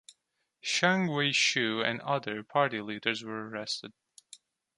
Chiang Wei-shui and other party leaders were arrested.